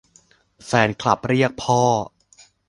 แฟนคลับเรียก : พ่อ